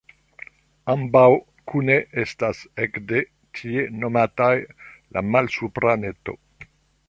Ambaŭ kune estas ekde tie nomataj la Malsupra Neto.